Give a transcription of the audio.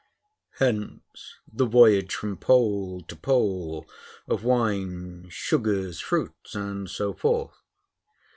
Hence the voyage from Pole to Pole of wines, sugars, fruits, and so forth.